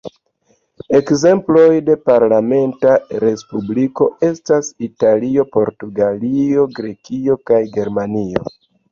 Ekzemploj de parlamenta respubliko estas Italio, Portugalio, Grekio kaj Germanio.